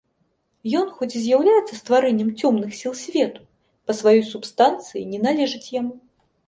Ён, хоць і з'яўляецца стварэннем цёмных сіл свету, па сваёй субстанцыі не належыць яму.